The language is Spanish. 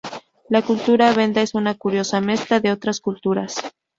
La cultura venda es una curiosa mezcla de otras culturas.